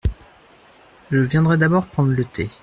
Je viendrai d’abord prendre le thé…